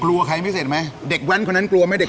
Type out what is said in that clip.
กลัวใครไม่เสร็จไหมเด็กแว้นคนนั้นกลัวไหมเด็ก